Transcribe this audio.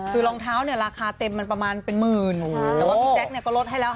คือรองเท้าราคาเต็มประมาณเป็นหมื่นแต่ว่าพี่แจ๊คเราก็ลดให้แล้ว๕๕๐๐